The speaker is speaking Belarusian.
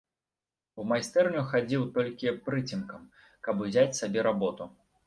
У майстэрню хадзіў толькі прыцемкам, каб узяць сабе работу.